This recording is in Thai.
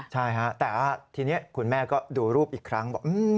ใช่ฮะแต่ว่าทีนี้คุณแม่ก็ดูรูปอีกครั้งบอก